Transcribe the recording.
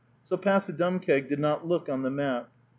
So Passadumkeag did not look on the map.